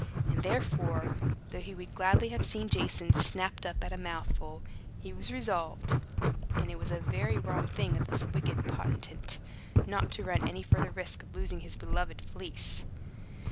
And therefore, though he would gladly have seen Jason snapped up at a mouthful, he was resolved (and it was a very wrong thing of this wicked potentate) not to run any further risk of losing his beloved Fleece.